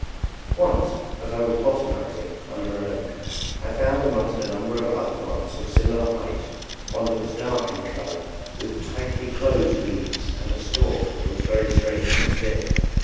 Once, as I was botanizing under an oak, I found amongst a number of other plants of similar height one that was dark in color, with tightly closed leaves and a stalk that was very straight and stiff.